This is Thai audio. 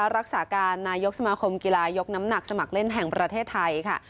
รักษาการนายกสมาคมกีฬายกน้ำหนักสมัครเล่นแห่งประเทศไทยค่ะ